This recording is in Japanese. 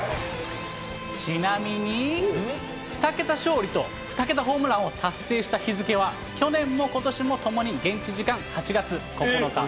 ちなみに、２桁勝利と２桁ホームランを達成した日付は、去年もことしも、ともに現地時間８月９日。